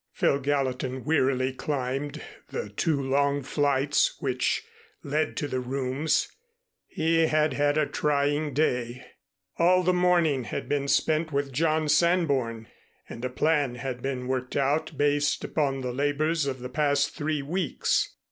Phil Gallatin wearily climbed the two long flights which led to the rooms. He had had a trying day. All the morning had been spent with John Sanborn, and a plan had been worked out based upon the labors of the past three weeks.